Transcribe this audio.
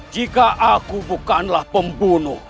jika aku bukanlah pembunuh